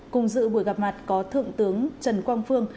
cùng dự buổi gặp mặt có thượng tướng trần quang phương